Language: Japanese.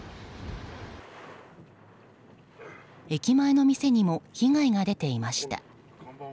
駅前の店にも被害が出ていました。